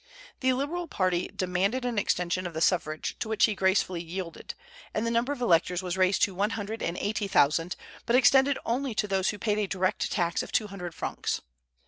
The liberal party demanded an extension of the suffrage, to which he gracefully yielded; and the number of electors was raised to one hundred and eighty thousand, but extended only to those who paid a direct tax of two hundred francs.